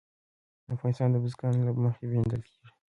افغانستان د بزګان له مخې پېژندل کېږي.